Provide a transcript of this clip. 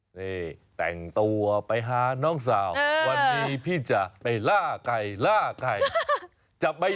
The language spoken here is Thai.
นี่แต่งตัวไปหาน้องสาววันนี้พี่จะไปล่าไก่ล่าไก่